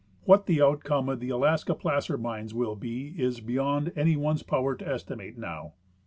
What the outcome of the Alaskan placer mines will be is be yond any one's power to estimate now.